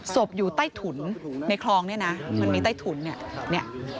อยู่ใต้ถุนในคลองเนี่ยนะมันมีใต้ถุนเนี่ย